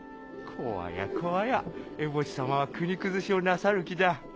怖や怖やエボシ様は国崩しをなさる気だ。